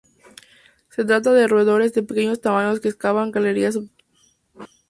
Se trata de roedores de pequeño tamaño que excavan galerías subterráneas.